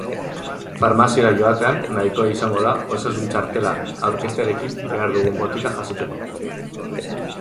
Farmaziara joatean nahikoa izango da osasun txartela aurkeztearekin behar dugun botika jasotzeko.